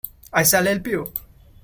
I shall help you.